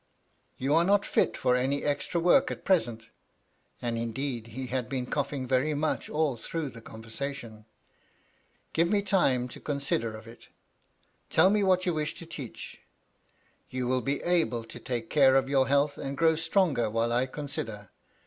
"You are not fit for any extra work at present," (and indeed he had been coughing very much all through the conversation). " Give me time to consider 238 MT LADT LUDLOW. of it Tell mc what you wish to teach. You will be able to take care of your health and grow stronger while I consider.